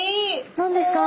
何ですか？